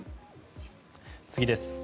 次です。